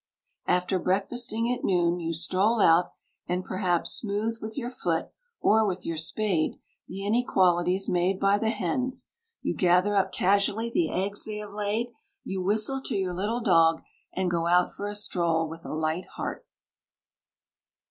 After breakfasting at noon, you stroll out, and, perhaps, smooth with your foot, or with your spade, the inequalities made by the hens; you gather up casually the eggs they have laid; you whistle to your little dog, and go out for a stroll with a light heart.